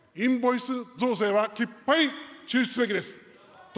インボイス増税はきっぱり中止すべきです。